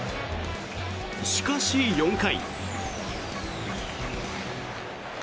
しかし、４回。